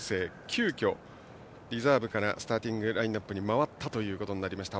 急きょ、リザーブからスターティングラインナップに回りました。